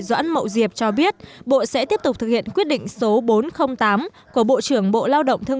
doãn mậu diệp cho biết bộ sẽ tiếp tục thực hiện quyết định số bốn trăm linh tám của bộ trưởng bộ lao động thương